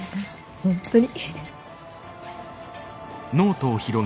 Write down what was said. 本当に。